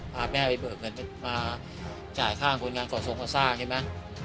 พาแม่ไปเบิกเงินมาจ่ายข้างคนการก่อสงฆ์ศาสตร์ใช่มั้ย